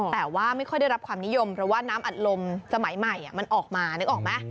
แต่ว่าไม่ค่อยได้รับความนิยมเพราะว่าน้ำอัดลมสมัยใหม่มันออกมานึกออกไหม